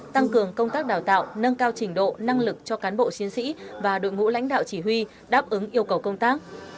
tăng cường công tác đào tạo nâng cao trình độ năng lực cho cán bộ chiến sĩ và đội ngũ lãnh đạo chỉ huy đáp ứng yêu cầu công tác